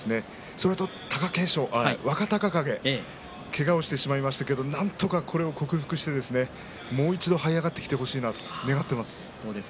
それと若隆景けがをしてしまいましたけれどもなんとかこれを克服してもう一度はい上がってきてほしいなと祈っています。